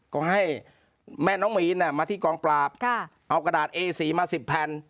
ก็ให้แม่น้องมีนมาที่กองปราบเอากระดาษเอสีมา๑๐แผ่น